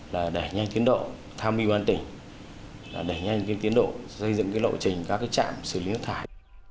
là đề nhanh tiến độ tham mưu an tỉnh là đề nhanh tiến độ xây dựng lộ trình các trạm xử lý nước thải